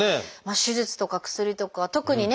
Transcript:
手術とか薬とか特にね